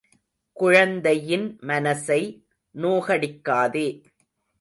குழந்தையின் மனசை நோகடிக்காதே.